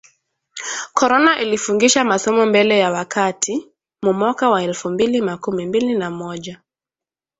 Corona ilifungisha masomo mbele ya wakati mu mwaka wa elfu mbili makumi mbili na moja